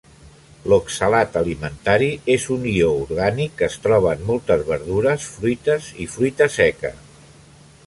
L'oxalat alimentari és un ió orgànic que es troba en moltes verdures, fruites i fruita seca.